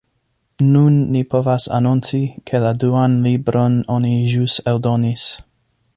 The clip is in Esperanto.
Nun ni povas anonci, ke la duan libron oni ĵus eldonis.